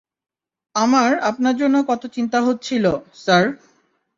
আমার আপনার জন্য কত চিন্তা হচ্ছিলো, স্যার।